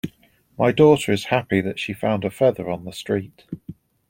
My daughter is happy that she found a feather on the street.